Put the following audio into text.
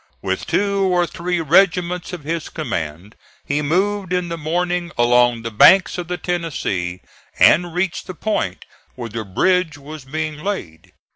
With two or three regiments of his command he moved in the morning along the banks of the Tennessee, and reached the point where the bridge was being laid.